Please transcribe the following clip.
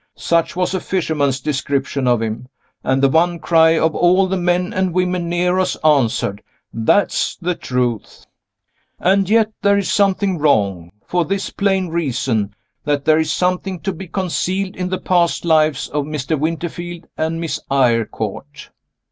Such was a fisherman's description of him; and the one cry of all the men and women near us answered, "That's the truth!" And yet there is something wrong for this plain reason, that there is something to be concealed in the past lives of Mr. Winterfield and Miss Eyrecourt.